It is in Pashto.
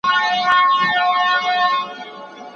پښتو ته په نوي عصر کې د کار او خدمت نوي رنګونه ورکړئ.